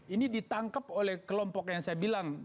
ini ditangkap oleh kelompok yang saya bilang